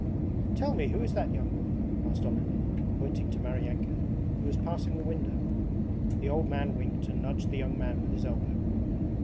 'Tell me, who is that young woman?' asked Olenin, pointing to Maryanka, who was passing the window. The old man winked and nudged the young man with his elbow.